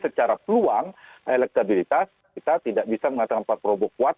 secara peluang elektabilitas kita tidak bisa mengatakan pak prabowo kuat